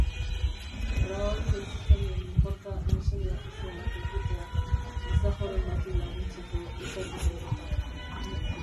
Raori ez zitzaion inporta mesede ofizialak egitea, gizajoren bati laguntzeko izatez gerotan.